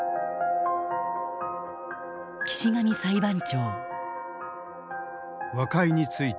岸上裁判長。